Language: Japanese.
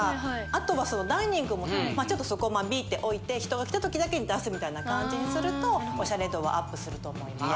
あとはそのダイニングちょっとそこ間引いておいて人が来たときだけ出すみたいな感じにするとオシャレ度はアップすると思います。